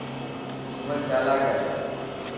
سمن چالاڪ هي.